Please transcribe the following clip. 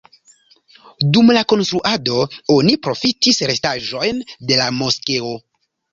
Dum la konstruado oni profitis restaĵojn de la moskeo.